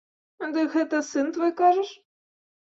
Дык гэта сын твой, кажаш?